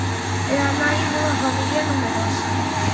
É a nai dunha familia numerosa.